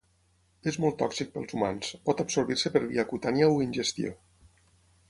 És molt tòxic pels humans, pot absorbir-se per via cutània o ingestió.